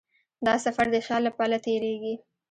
دا سفر د خیال له پله تېرېږي.